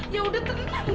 ya udah tenang